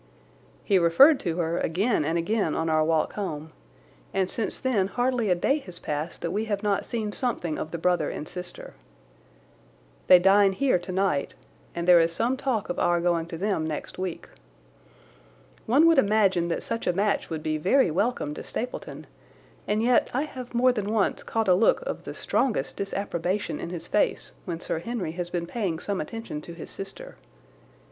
He referred to her again and again on our walk home, and since then hardly a day has passed that we have not seen something of the brother and sister. They dine here tonight, and there is some talk of our going to them next week. One would imagine that such a match would be very welcome to Stapleton, and yet I have more than once caught a look of the strongest disapprobation in his face when Sir Henry has been paying some attention to his sister.